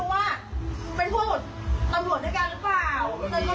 หมู่บ้านไม่มี